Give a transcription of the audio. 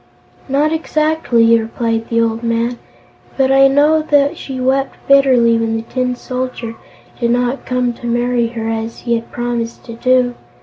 "Not exactly," replied the old man, "but I know that she wept bitterly when the Tin Soldier did not come to marry her, as he had promised to do.